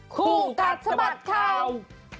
โคกัศสะบัดข่าว